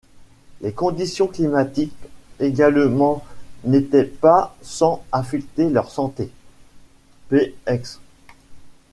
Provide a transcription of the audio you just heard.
Les conditions climatiques également n'étaient pas sans affecter leur santé, p. ex.